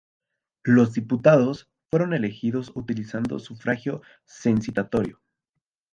Los diputados fueron elegidos utilizando sufragio censitario.